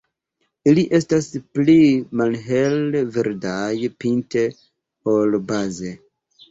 Ili estas pli malhel-verdaj pinte ol baze.